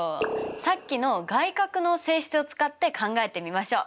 さっきの外角の性質を使って考えてみましょう！